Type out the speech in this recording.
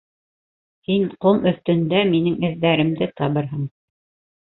Һин ҡом өҫтөндә минең эҙҙәремде табырһың.